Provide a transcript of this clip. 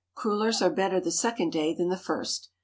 Crullers are better the second day than the first.